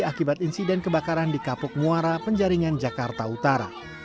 akibat insiden kebakaran di kapuk muara penjaringan jakarta utara